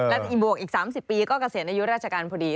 และอีกบวกอีก๓๐ปีก็เกษียณอายุราชการพอดี